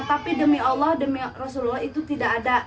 tapi demi allah demi rasulullah itu tidak ada